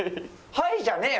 「はい」じゃねえよ！